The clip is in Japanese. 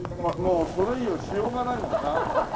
もうそれ以上しようがないもんな。